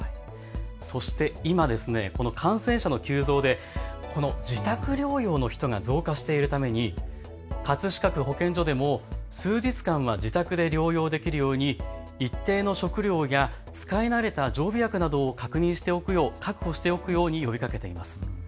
そして今、感染者の急増でこの自宅療養の人が増加しているために葛飾区保健所でも数日間は自宅で療養できるように一定の食料や使い慣れた常備薬などを確認して確保しておくように呼びかけています。